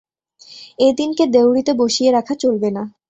এ দিনকে দেউড়িতে বসিয়ে রাখা চলবে না।